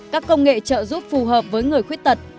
các công nghệ trợ giúp phù hợp với người khuyết tật